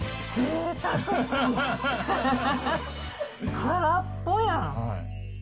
空っぽやん。